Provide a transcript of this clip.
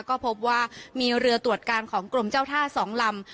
ก็พบว่ามีเรือตรวจการของกรมเจ้าท่า๒ลำ